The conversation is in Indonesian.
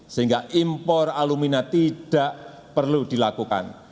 sehingga impor alumina tidak perlu dilakukan